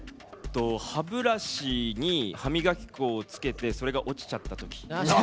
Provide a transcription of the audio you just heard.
歯ブラシに歯磨き粉をつけてそれが落ちちゃったとき。